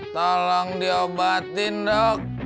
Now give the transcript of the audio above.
tolong diobatin dok